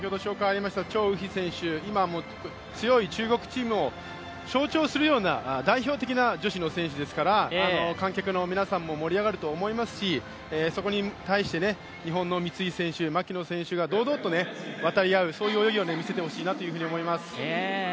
張雨霏選手、今も強い中国チームを象徴するような代表的な女子の選手ですから観客の皆さんも盛り上がると思いますしそこに対して、日本の三井選手、牧野選手が堂々と渡り合う、そういう泳ぎを見せてほしいなと思います。